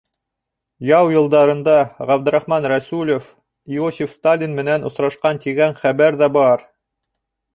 Яу йылдарында Ғабдрахман Рәсүлев Иосиф Сталин менән осрашҡан тигән хәбәр ҙә бар.